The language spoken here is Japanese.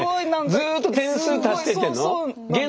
ずっと点数足してってんの？